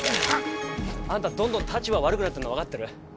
あんたどんどん立場悪くなってんの分かってる？